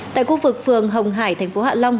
tại khu vực phường hồng hải thành phố hạ long